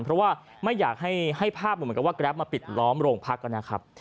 เพราะว่าไม่อยากให้ภาพเหมือนกับว่าแกรปมาปิดล้อมโรงพักนะครับ